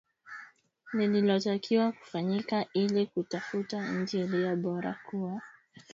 Lililotakiwa kufanyika ili kutafuta nchi iliyo bora kuwa mwenyeji wa taasisi hiyo, ambayo iliichagua Tanzania.